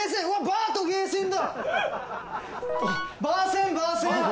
バーセンバーセン！